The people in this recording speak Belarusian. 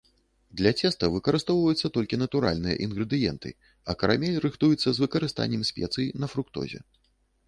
Для цеста выкарыстоўваюцца толькі натуральныя інгрэдыенты, а карамель рыхтуецца з выкарыстаннем спецый на фруктозе.